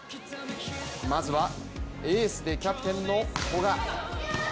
まずは、エースでキャプテンの古賀。